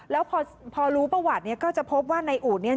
แล้วพอรู้ประวัติเนี่ยก็จะพบว่านายอู๋เนี่ย